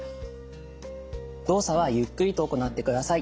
動作はゆっくりと行ってください。